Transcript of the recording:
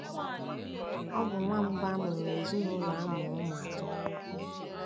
Ọ bụ nwa mbu amuru n'ezinụlọ amuru umu atọ.